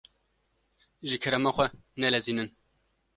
Ji kerema xwe nelezînin.